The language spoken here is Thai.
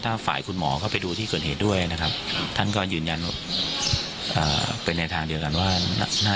ถ้าฝ่ายคุณหมอเข้าไปดูที่เกิดเหตุด้วยนะครับท่านก็ยืนยันเป็นในทางเดียวกันว่าน่า